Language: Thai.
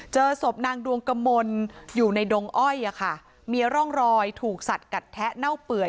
เจอศพนางดวงกมลอยู่ในดงอ้อยอะค่ะมีร่องรอยถูกสัดกัดแทะเน่าเปื่อย